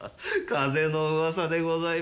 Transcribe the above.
風の噂でございます。